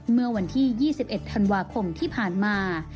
เมื่อวันที่๒๑ธันวาคมที่ผ่านมา